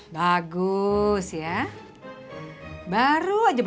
butang guys udah wherein jadi